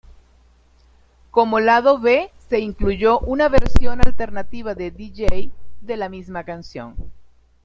Como lado B se incluyó una versión alternativa de Dj de la misma canción.